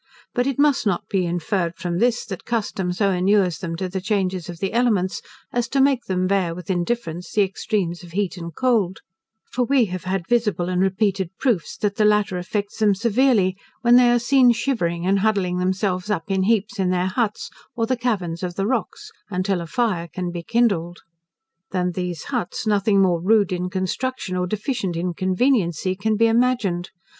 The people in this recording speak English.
But it must not be inferred from this, that custom so inures them to the changes of the elements, as to make them bear with indifference the extremes of heat and cold; for we have had visible and repeated proofs, that the latter affects them severely, when they are seen shivering, and huddling themselves up in heaps in their huts, or the caverns of the rocks, until a fire can be kindled. Than these huts nothing more rude in construction, or deficient in conveniency, can be imagined.